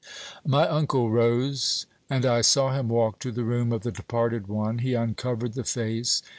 My uncle rose, and I saw him walk to the room of the departed one. He uncovered the face.